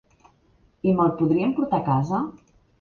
I me'l podrien portar a casa?